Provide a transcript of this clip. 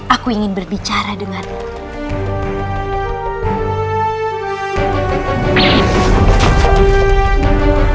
aku ingin berbicara denganmu